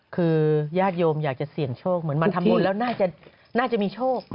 คือญาติโยมอยากจะเสี่ยงโชคเหมือนมาทำบุญแล้วน่าจะมีโชค